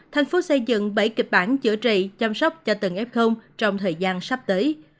thành phố xây dựng bảy kịch bản chữa trị chăm sóc cho từng f trong thời gian sắp tới